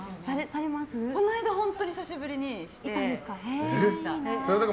この間本当に久しぶりにしました。